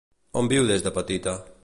On viu des de petita?